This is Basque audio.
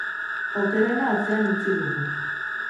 Okerrena atzean utzi dugu.